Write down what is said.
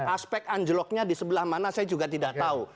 aspek anjloknya di sebelah mana saya juga tidak tahu